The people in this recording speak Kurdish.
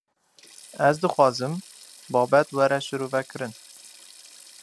Ez dixwazim, babet were şîrove kirin